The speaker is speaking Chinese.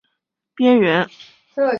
常见于轮船螺旋桨和泵桨叶的边缘。